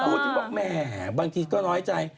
พูดถึงบอกแหมบางทีก็น้อยใจ